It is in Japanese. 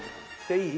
いい？